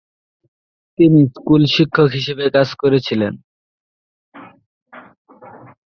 তিনি স্কুল শিক্ষক হিসাবে কাজ করেছিলেন।